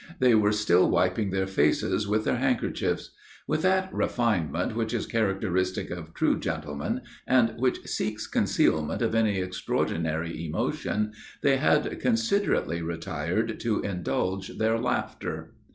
They were still wiping their faces with their handkerchiefs. With that refinement which is characteristic of true gentlemen, and which seeks concealment of any extraordinary emotion, they had considerately retired to indulge their laughter.